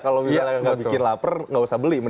kalau tidak bikin lapar tidak usah beli